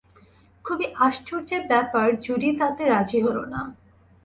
খুবই আশ্চর্যের ব্যাপার-জুডি তাতে রাজি হল না।